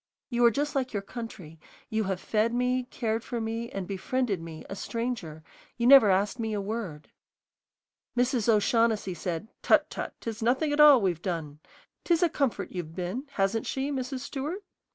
You are just like your country; you have fed me, cared for me, and befriended me, a stranger, and never asked me a word." Mrs. O'Shaughnessy said, "Tut, tut, 'tis nothing at all we've done. 'Tis a comfort you've been, hasn't she, Mrs. Stewart?"